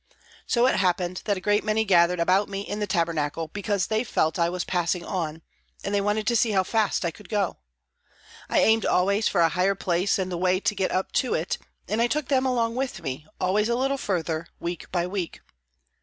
So it happened that a great many gathered about me in the tabernacle, because they felt that I was passing on, and they wanted to see how fast I could go. I aimed always for a higher place and the way to get up to it, and I took them along with me, always a little further, week by week.